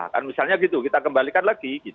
kan misalnya gitu kita kembalikan lagi